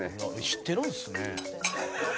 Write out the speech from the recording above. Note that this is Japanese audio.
「知ってるんですね」